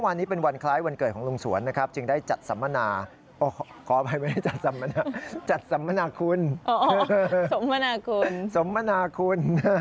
ไม่ได้จัดสัมมนาคุณสัมมนาคุณ